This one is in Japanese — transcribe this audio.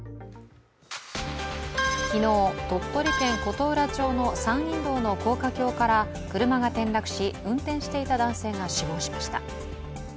昨日、鳥取県琴浦町の山陰道の高架橋から車が転落し、運転していた男性が死亡しました。